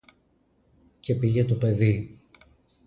Και πήγε το παιδί